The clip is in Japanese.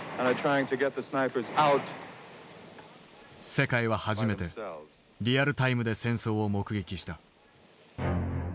世界は初めてリアルタイムで戦争を目撃した。